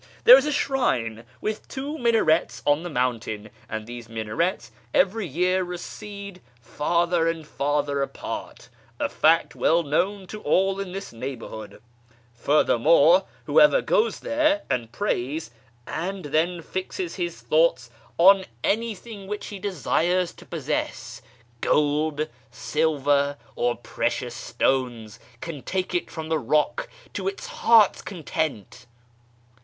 There is a shrine with two minarets on the mountain, and these minarets every year recede farther and farther apart, a fact well known to all in this neighbourhood. Furthermore, whoever goes there, and prays, and then fixes his thoughts on anything which he .. 230 .'/ YEAR AMONGST THE PERSIANS desires to possess — gold, silver, or precious stones — can take it from the rock to its heart's content."